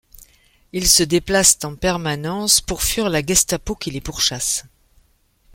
Ils se déplacent en permanence pour fuir la Gestapo qui les pourchasse.